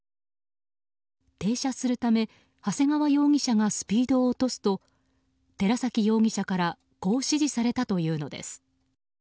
停車するため、長谷川容疑者がスピードを落とすと寺崎容疑者からこう指示されたというのです。